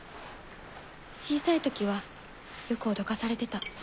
小さい時はよくおどかされてた。